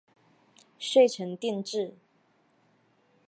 遂成定制。